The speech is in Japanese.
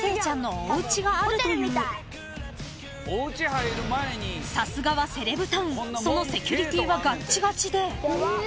［さすがはセレブタウンそのセキュリティーはガチガチで］